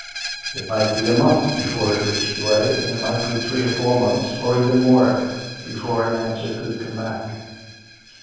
It might be a month before it would reach Douay, and it might be three or four months, or even more, before an answer could come back.